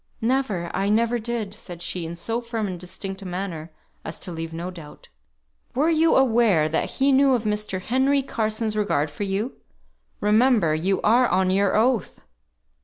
"Never. I never did," said she, in so firm and distinct a manner as to leave no doubt. "Were you aware that he knew of Mr. Henry Carson's regard for you? Remember you are on your oath!"